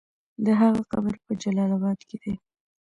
د هغه قبر په جلال اباد کې دی.